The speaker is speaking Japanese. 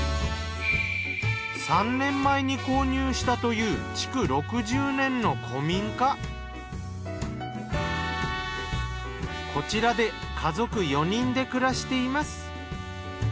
３年前に購入したというこちらで家族４人で暮らしています。